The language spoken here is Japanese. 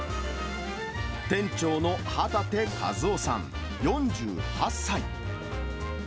店長の旗手一夫さん４８歳。